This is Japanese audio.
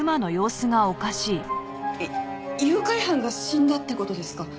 誘拐犯が死んだって事ですか？